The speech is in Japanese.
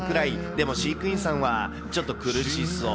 でも飼育員さんは、ちょっと苦しそう。